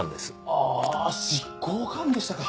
ああ執行官でしたか。